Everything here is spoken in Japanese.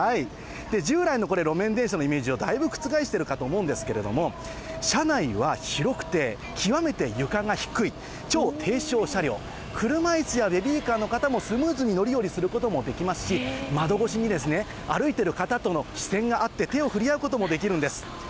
従来の路面電車のイメージをだいぶ覆しているかと思うんですけれども、車内は広くて、極めて床が低い、超低床車両、車いすやベビーカーの方もスムーズに乗り降りすることもできますし、窓越しに歩いてる方との視線が合って手を振り合うこともできるんです。